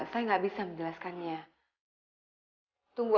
jangan sembar mak